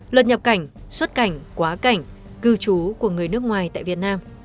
luật nhập cảnh xuất cảnh quá cảnh cư trú của người nước ngoài tại việt nam